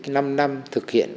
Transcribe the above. năm năm thực hiện